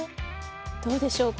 どうでしょうか？